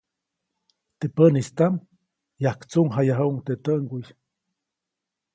Teʼ päʼnistaʼm, yajktsuʼŋjayajuʼuŋ teʼ täʼŋguy.